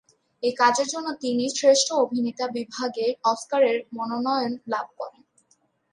এই কাজের জন্য তিনি শ্রেষ্ঠ অভিনেতা বিভাগে অস্কারের মনোনয়ন লাভ করেন।